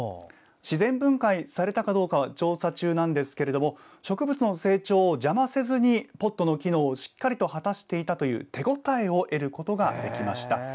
自然分解されたかどうかは調査中なんですが植物の成長を邪魔せずにポットの機能をしっかりと果たしていたという手応えを得ることができました。